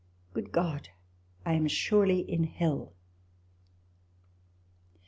" Good God, I am surely in hell